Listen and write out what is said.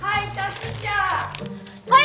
はい！